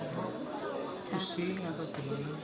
pusing atau gimana